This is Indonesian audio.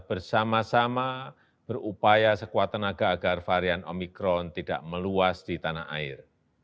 bersama sama berupaya sekuat tenaga agar varian omikron tidak meluas di tanah air